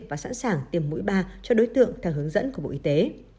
và sẵn sàng tiêm mũi ba cho đối tượng theo hướng dẫn của bộ y tế